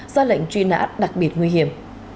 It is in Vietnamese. do lệnh truy nã đặc biệt nguy hiểm